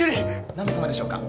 ・何名様でしょうか？